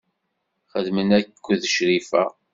Xeddmen akked Crifa.